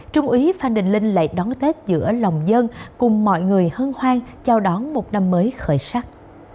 trung úy phan đình linh lại đón tết giữa lòng dân cùng mọi người hân hoan chào đón một năm mới khởi sắc